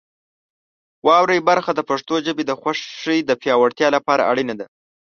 واورئ برخه د پښتو ژبې د خوښۍ د پیاوړتیا لپاره اړینه ده.